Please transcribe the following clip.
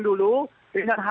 minyak goreng dulu